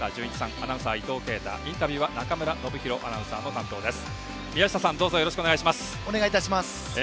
アナウンサー、伊藤慶太インタビューは中村信博アナウンサーの担当です。